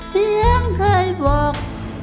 เสียงเคยบอก